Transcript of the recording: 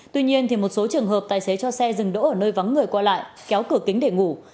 tuy nhiên một số trường hợp tài xế cho xe dừng đỗ ở nơi vắng người qua lại kéo cửa kính để ngủ